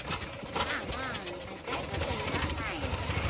まあまあ固いこと言わないで。